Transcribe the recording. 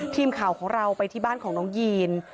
ทีมข่าวของเราไปที่บ้านของน้องยีน